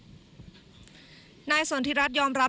ไม่มีครับเพราะยังไม่ได้ตัดสินใจครับ